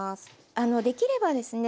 あのできればですね